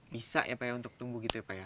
bisa ya pak ya untuk tumbuh gitu ya pak ya